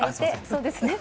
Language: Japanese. そうですね。